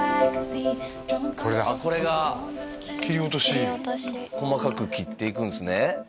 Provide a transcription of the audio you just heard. これだあっこれが切り落とし細かく切っていくんですね